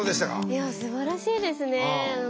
いやすばらしいですね。